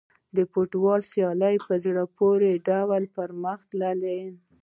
د فوټبال سیالۍ په زړه پورې ډول پرمخ تللې.